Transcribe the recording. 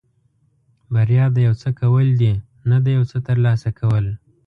بریا د یو څه کول دي نه د یو څه ترلاسه کول.